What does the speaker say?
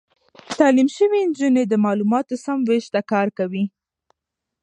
تعليم شوې نجونې د معلوماتو سم وېش ته کار کوي.